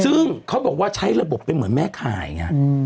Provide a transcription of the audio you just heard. ซึ่งเขาบอกว่าใช้ระบบเป็นเหมือนแม่ข่ายไง